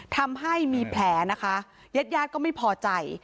ทำให้มีแผลนะคะเย็ดก็ไม่พอใจ